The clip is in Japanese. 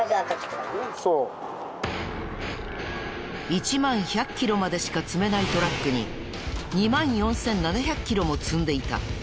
１万１００キロまでしか積めないトラックに２万４７００キロも積んでいた。